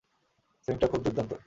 সুইংটাও খুব দুর্দান্ত।